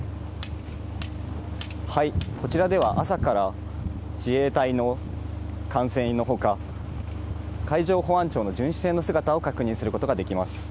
こちらでは朝から自衛隊の艦船のほか、海上保安庁の巡視船の姿を確認することができます。